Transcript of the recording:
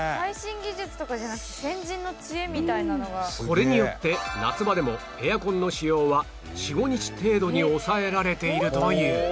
これによって夏場でもエアコンの使用は４５日程度に抑えられているという